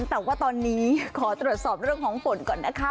แต่ว่าตอนนี้ขอตรวจสอบเรื่องของฝนก่อนนะคะ